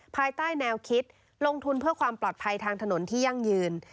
ภายใต้แนวคิดลงทุนเพื่อความปลอดภัยทางถนนที่ยั่งยืน